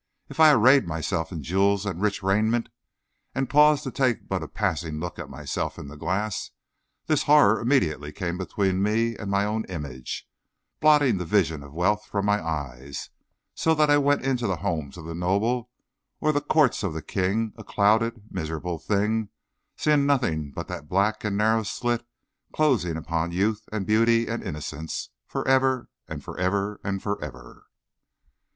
If I arrayed myself in jewels and rich raiment, and paused to take but a passing look at myself in the glass, this horror immediately came between me and my own image, blotting the vision of wealth from my eyes; so that I went into the homes of the noble or the courts of the king a clouded, miserable thing, seeing nothing but that black and narrow slit closing upon youth and beauty and innocence forever and forever and forever.